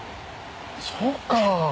そうか！